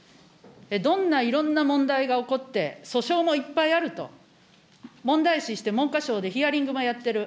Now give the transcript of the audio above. どんないろんな問題が起こって、訴訟もいっぱいあると、問題視して文科省でヒアリングもやってる。